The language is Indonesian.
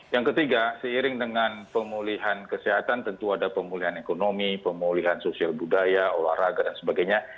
yang ketiga seiring dengan pemulihan kesehatan tentu ada pemulihan ekonomi pemulihan sosial budaya olahraga dan sebagainya